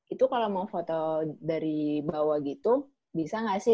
itu kalo mau foto dari bawah gitu bisa gak sih